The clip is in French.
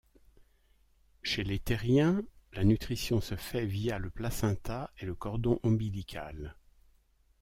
Chez les thériens, la nutrition se fait via le placenta et le cordon ombilical.